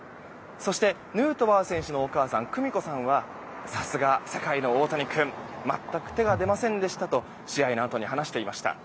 そして、ヌートバー選手のお母さん、久美子さんはさすが、世界の大谷君全く手が出ませんでしたと試合のあとに話していました。